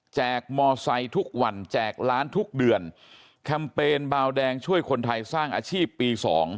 กมอไซค์ทุกวันแจกล้านทุกเดือนแคมเปญบาวแดงช่วยคนไทยสร้างอาชีพปี๒